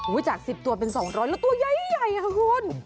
อุ้ยจาก๑๐ตัวเป็น๒๐๐แล้วตัวใหญ่ค่ะของอ้น